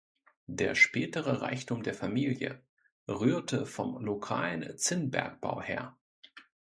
Der spätere Reichtum der Familie rührte vom lokalen Zinnbergbau her.